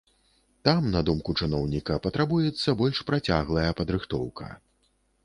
Там, на думку чыноўніка, патрабуецца больш працяглая падрыхтоўка.